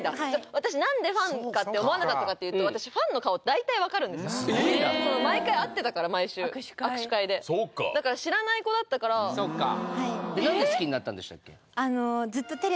私何でファンかって思わなかったかっていうと私その毎回会ってたから毎週握手会でそうかだから知らない子だったから何で好きになったんでしたっけ？